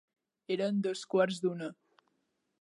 Eren dos quarts d'una.